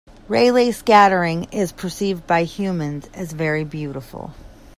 Raleigh scattering is perceived by humans as very beautiful.